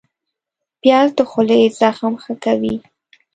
پیاز د خولې زخم ښه کوي